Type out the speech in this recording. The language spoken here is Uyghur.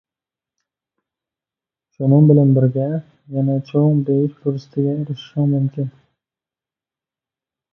شۇنىڭ بىلەن بىرگە، يەنە چوڭ بېيىش پۇرسىتىگە ئېرىشىشىڭ مۇمكىن.